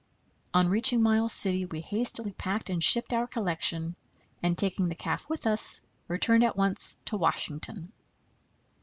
On reaching Miles City we hastily packed and shipped our collection, and, taking the calf with us, returned at once to Washington.